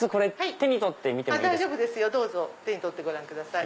手に取ってご覧ください。